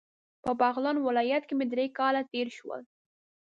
په بغلان ولایت کې مې درې کاله تیر شول.